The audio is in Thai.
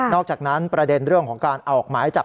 อกจากนั้นประเด็นเรื่องของการออกหมายจับ